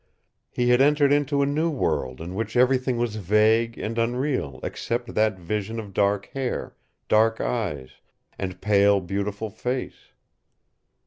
He had entered into a new world in which everything was vague and unreal except that vision of dark hair, dark eyes, and pale, beautiful face.